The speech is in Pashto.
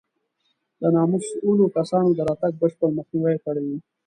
د نامسوولو کسانو د راتګ بشپړ مخنیوی یې کړی و.